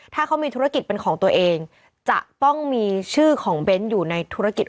ถ้าเขามีธุรกิจเป็นของตัวเองจะต้องมีชื่อของเบ้นอยู่ในธุรกิจ